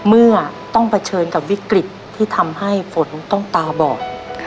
เมื่อต้องเผชิญกับวิกฤตที่ทำให้ฝนต้องตาบอด